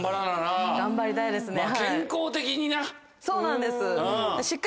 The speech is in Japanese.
そうなんです。